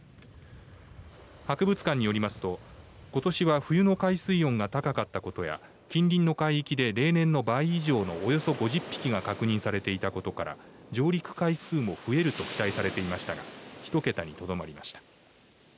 博物館によりますとことしは冬の海水温が高かったことや近隣の海域で例年の倍以上のおよそ５０匹が確認されていたことから上陸回数も増えると期待されていましたが１桁にとどまりました。